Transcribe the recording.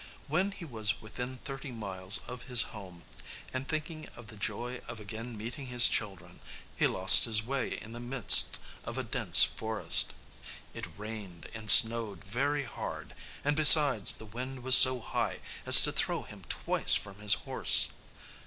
When he was within thirty miles of his home, and thinking of the joy of again meeting his children, he lost his way in the midst of a dense forest. It rained and snowed very hard, and, besides, the wind was so high as to throw him twice from his horse.